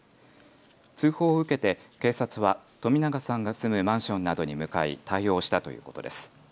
通報を受けて警察は冨永さんが住むマンションなどに向かい対応したということです。